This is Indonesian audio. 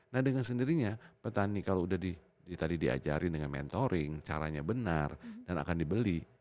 nah dengan sendirinya petani kalau udah tadi diajarin dengan mentoring caranya benar dan akan dibeli